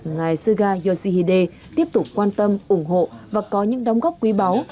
ngài suga yoshihide tiếp tục quan tâm ủng hộ và có những đóng góp quý báu